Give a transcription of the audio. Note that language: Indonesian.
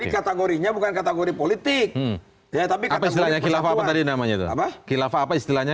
kategorinya bukan kategori politik ya tapi katanya khilafah tadi namanya apa khilafah apa istilahnya